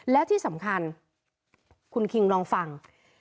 และที่สำคัญคุณคิงลองฟัง